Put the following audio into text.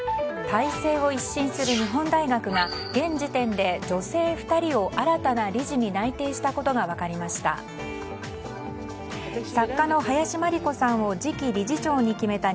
体制を一新する日本大学が現時点で女性２人を新たな理事に内定したことが分かりました。